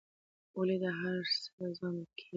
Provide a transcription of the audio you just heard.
ولې دا هرڅه زغمل کېږي.